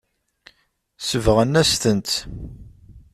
Sebɣen-as-tent.